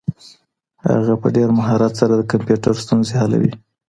هغه په ډېر مهارت سره د کمپيوټر ستونزې حلوي.